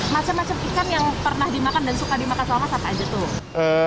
macem macem ikan yang pernah dimakan dan suka dimakan selama saat aja tuh